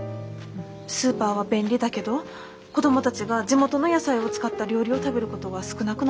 スーパーは便利だけど子供たちが地元の野菜を使った料理を食べることが少なくなったんです。